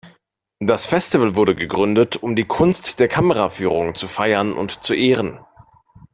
Das Festival wurde gegründet, um die Kunst der Kameraführung zu feiern und zu ehren.